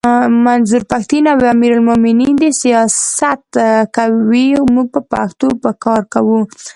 منظور پښتین او امیر المومنین دي سیاست کوي موږ به پښتو به کار کوو!